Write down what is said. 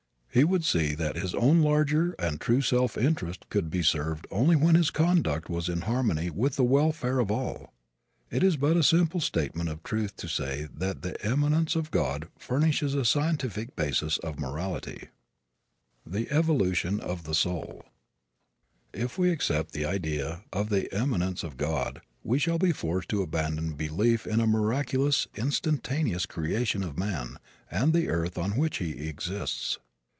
He would see that his own larger and true self interest could be served only when his conduct was in harmony with the welfare of all. It is but a simple statement of the truth to say that the immanence of God furnishes a scientific basis of morality. FOOTNOTES: [A] Psalms LXXXII 6. CHAPTER III. THE EVOLUTION OF THE SOUL If we accept the idea of the immanence of God we shall be forced to abandon belief in a miraculous instantaneous creation of man and the earth on which he exists.